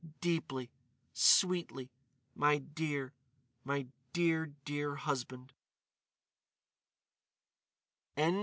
deeply ... sweetly ... my dear ... my dear, dear husband."